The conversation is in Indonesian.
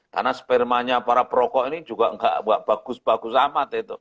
karena spermanya para perokok ini juga gak bagus bagus amat